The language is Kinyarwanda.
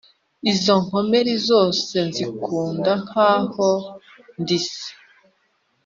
izo nkomeri zose zinkunda nk’aho ndi se